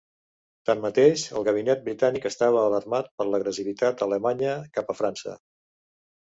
Tanmateix, el gabinet britànic estava alarmat per l'agressivitat d'Alemanya cap a França.